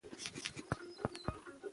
چې ښځه داسې وي. له دې نه ښکاري